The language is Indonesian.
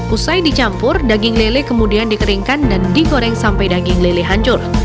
usai dicampur daging lele kemudian dikeringkan dan digoreng sampai daging lele hancur